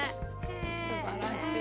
すばらしい。